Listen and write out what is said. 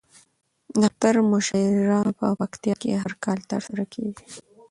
نښتر مشاعره په پکتيا کې هر کال ترسره کیږي